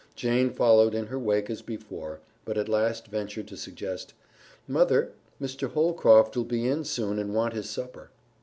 Jane followed in her wake as before, but at last ventured to suggest, "Mother, Mr. Holcroft'll be in soon and want his supper."